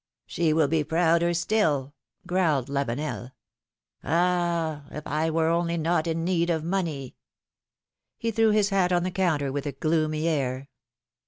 ^^ She will be prouder still,'^ growled Lavenel. ^^Ah ! if I were only not in need of money ! He threw his hat on the counter with a gloomy air.